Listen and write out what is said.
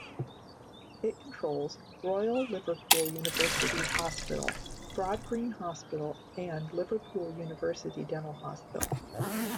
It controls Royal Liverpool University Hospital, Broadgreen Hospital and Liverpool University Dental Hospital.